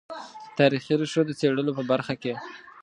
تاریخي ریښو د څېړلو په برخه کې.